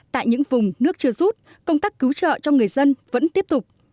tại những vùng nước chưa rút công tác cứu trợ cho người dân vẫn tiếp tục